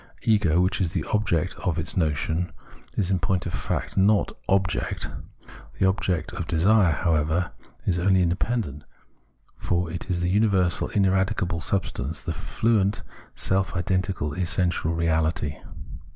Ego, which is the object of its notion, is in point of fact not " object." The object of desire, however, is only independent, for it is the universal, ineradicable substance, the fluent self identi cal essential reality.